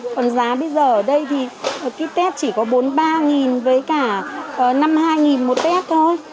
còn giá bây giờ ở đây thì ký test chỉ có bốn mươi ba với cả năm mươi hai một test thôi